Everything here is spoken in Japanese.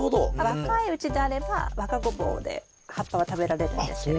若いうちであれば若ゴボウで葉っぱは食べられるんですけれど。